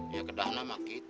ya kedah nama kita